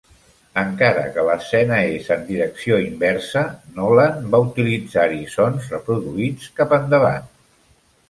Encara que l'escena és en direcció inversa, Nolan va utilitzar-hi sons reproduïts cap endavant.